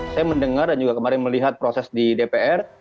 saya mendengar dan juga kemarin melihat proses di dpr